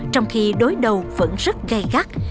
trong khi đối đầu vẫn rất gây gắt